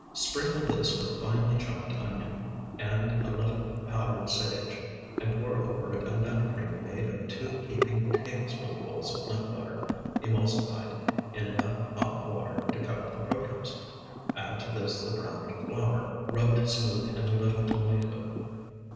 Sprinkle this with finely chopped onion, and a little powdered sage, and pour over it a nut cream made of two heaping tablespoonfuls of nut butter emulsified, in enough hot water to cover the protose. Add to this the browned flour, rubbed smooth in a little tomato.